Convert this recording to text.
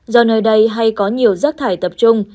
do nơi đây hay có nhiều rác thải tập trung